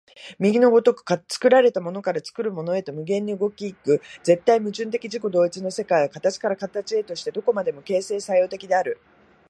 右の如く作られたものから作るものへと無限に動き行く絶対矛盾的自己同一の世界は、形から形へとして何処までも形成作用的である。